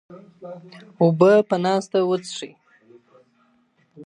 اوبه په ناسته وڅښئ.